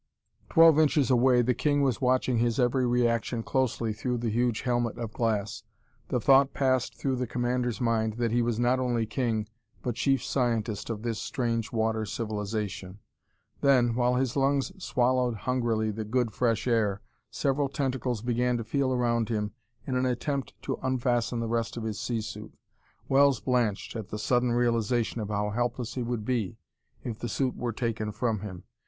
Twelve inches away the king was watching his every reaction closely through the huge helmet of glass. The thought passed through the commander's mind that he was not only king, but chief scientist of this strange water civilization. Then, while his lungs swallowed hungrily the good, fresh air, several tentacles began to feel around him in an attempt to unfasten the rest of his sea suit. Wells blanched at the sudden realization of how helpless he would be if the suit were taken from him.